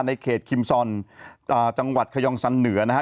ในเขตคิมซอนจังหวัดขยองสันเหนือนะฮะ